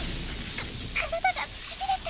か体がしびれて。